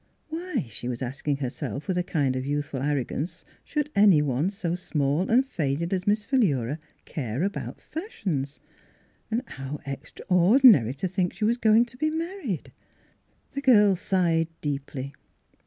\ATiy, she was asking herself with a kind of youthful arrogance, should anyone so small and faded as Miss Philura care about fashions.? And how extraordinary to think she was going to be married. The girl sighed deeply.